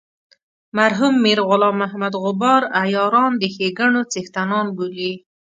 مرحوم میر غلام محمد غبار عیاران د ښیګڼو څښتنان بولي.